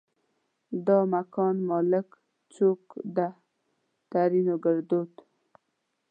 دا مکان مالک چوک ده؛ ترينو ګړدود